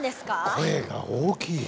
声が大きいよ。